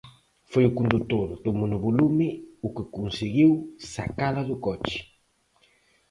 Foi o condutor do monovolume o que conseguiu sacala do coche.